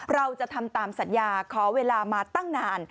เราจะทำตามสัญญาขอเวลามาตั้งนาน